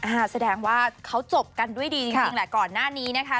อ่าแสดงว่าเขาจบกันด้วยดีจริงแหละก่อนหน้านี้นะคะ